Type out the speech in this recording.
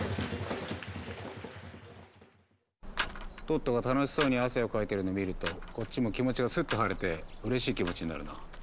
トットが楽しそうに汗をかいてるのを見るとこっちも気持ちがスッと晴れてうれしい気持ちになるな。